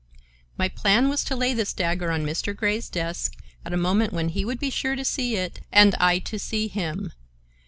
My plan was to lay this dagger on Mr. Grey's desk at a moment when he would be sure to see it and I to see him.